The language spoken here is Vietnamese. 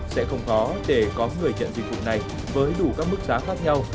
sẽ không khó để có người nhận dịch vụ này với đủ các mức giá khác nhau